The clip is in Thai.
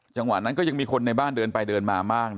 จังหวะนั้นก็ยังมีคนในบ้านเดินไปเดินมามาก